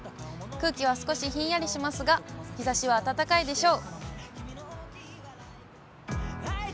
空気は少しひんやりしますが、日ざしは暖かいでしょう。